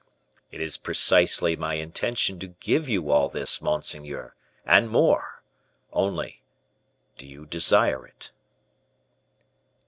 "It is precisely my intention to give you all this, monseigneur, and more; only, do you desire it?"